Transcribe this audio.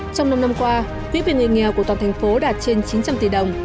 trong năm năm qua quý vị người nghèo của toàn thành phố đạt trên chín trăm linh tỷ đồng